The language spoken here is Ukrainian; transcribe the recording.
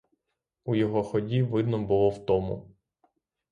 У його ході видно було втому.